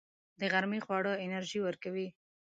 د غرمې خواړه انرژي ورکوي